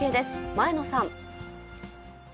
前野さん。